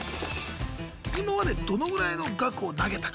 今までどのぐらいの額を投げたか。